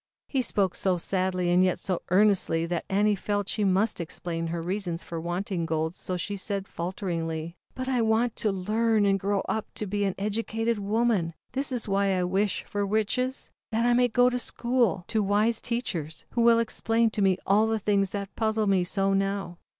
He spoke so sadly, and yet so earnestly, that Annie felt she must explain her reasons for wanting gold, so she said, falteringly: "But I want to learn and grow up to be an educated woman, this is why I wish for Riches, that I may go to school, to wise teachers, who will explain to me all the things that puzzle me so now."